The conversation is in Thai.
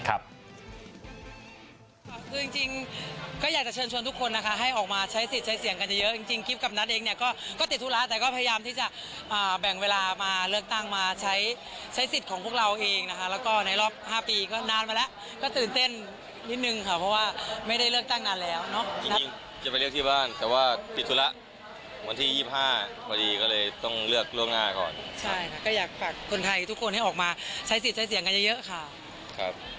ก็อยากปรับคนไทยทุกคนให้ออกมาใช้สิทธิ์ใช้เสียงกันเยอะค่ะ